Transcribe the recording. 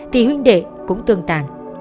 thì huynh đệ cũng tương tàn